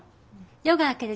夜が明ける